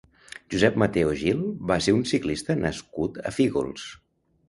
Josep Mateo Gil va ser un ciclista nascut a Fígols.